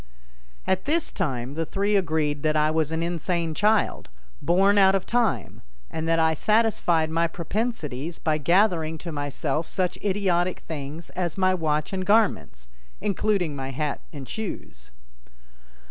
At this time the three agreed that I was an insane child, born out of time, and that I satisfied my propensities by gathering to myself such idiotic things as my watch and garments, including my hat and shoes.